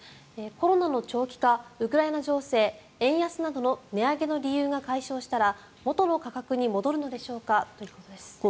コロナの長期化、ウクライナ情勢円安などの値上げの理由が解消したら元の価格に戻るのでしょうか？